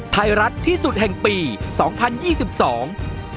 ไทยรัฐที่สุดแห่งปีสองพันยี่สิบสอง